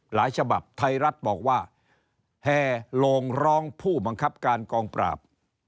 ฉบับไทยรัฐบอกว่าแห่โลงร้องผู้บังคับการกองปราบ